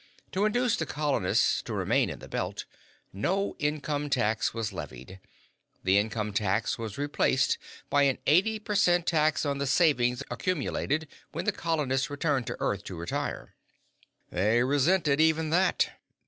To induce the colonists to remain in the Belt, no income tax was levied; the income tax was replaced by an eighty per cent tax on the savings accumulated when the colonist returned to Earth to retire. "They resented even that.